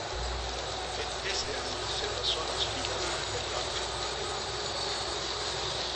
En ese año se pasó a las filas del Banfield.